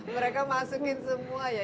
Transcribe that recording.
mereka masukin semua ya